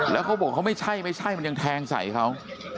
แล้วเขาบอกเขาไม่ใช่ไม่ใช่มันยังแทงใส่เขา